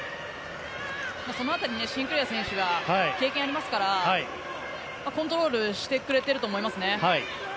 その辺りシンクレア選手が経験ありますからコントロールしてくれてると思います。